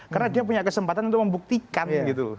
karena dia punya kesempatan untuk membuktikan gitu